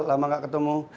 lama nggak ketemu